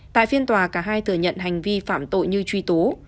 tại phiên tòa cả hai thừa nhận hành vi phạm tội như truy tố